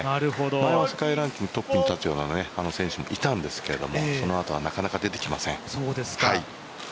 前は世界ランキングトップに立つような選手もいたんですけどそのあとはなかなか出てきません。